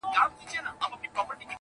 خلک د پېښې خبري کوي,